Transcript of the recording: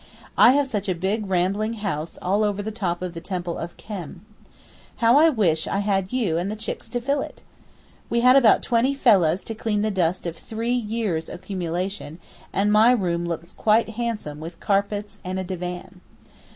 I have such a big rambling house all over the top of the temple of Khem. How I wish I had you and the chicks to fill it! We had about twenty fellahs to clean the dust of three years' accumulation, and my room looks quite handsome with carpets and a divan.